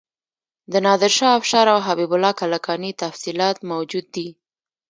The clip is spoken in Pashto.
د نادر شاه افشار او حبیب الله کلکاني تفصیلات موجود دي.